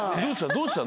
どうした？